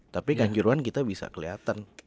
tapi kanjuruhan kita bisa kelihatan